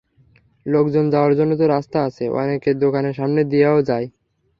লোকজন যাওয়ার জন্য তো রাস্তা আছে, অনেকে দোকানের সামনে দিয়াও যায়।